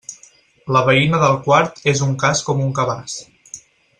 La veïna del quart és un cas com un cabàs.